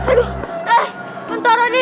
aduh eh bentar adi